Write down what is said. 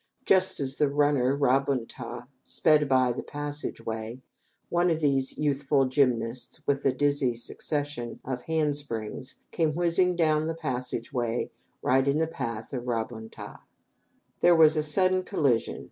Just as the runner, Ra bun ta, sped up the passage way, one of these youthful gymnasts with a dizzy succession of hand springs came whizzing down the passage way right in the path of Ra bun ta. There was a sudden collision.